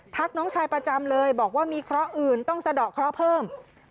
น้องชายประจำเลยบอกว่ามีเคราะห์อื่นต้องสะดอกเคราะห์เพิ่ม